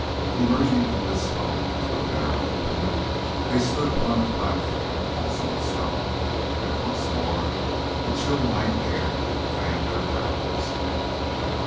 Emerging from this tunnel through a narrow opening, they stood upon a platform also of stone, and once more the chill night air fanned their brows.